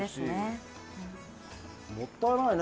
もったいないね